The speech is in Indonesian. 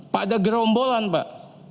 pada gerombolan pak